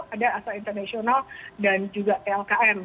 ada astra international dan juga tlkm